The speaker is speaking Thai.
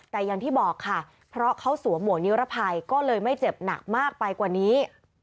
แต่อย่างที่บอกค่ะเพราะเขาสวมหวกนิรภัยก็เลยไม่เจ็บหนักมากไปกว่านี้